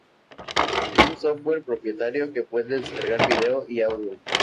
Es un software propietario que puede descargar video y audio.